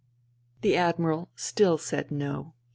The Admiral still said No.